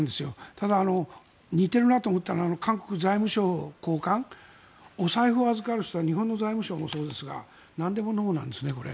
ただ、似ているなと思ったのは韓国財務省高官お財布を預かる人は日本の財務省もそうですがなんでもノーなんですね。